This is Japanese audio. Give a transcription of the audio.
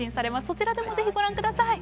そちらでも是非ご覧ください。